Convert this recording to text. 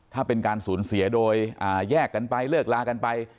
ถ้าเป็นการสูญเสียโดยแยกกันไปเลิกลากันไป